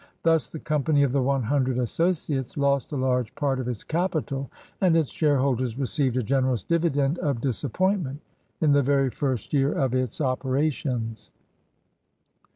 Thus the Company of the One Hundred Associates lost a large part of its capital, and its shareholders received a generous dividend of dis appointment in the very first year of its operations.